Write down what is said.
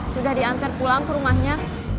sudah diantar pulang perumahnya